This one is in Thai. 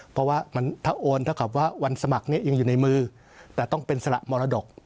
เพราะว่าถ้าโอนถ้าวันสมัครยังอยู่ในมือแต่ต้องเป็นสละมรดก